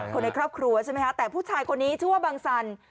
คนในครอบครัวใช่ไหมคะแต่ผู้ชายคนนี้ชื่อว่าบังสัน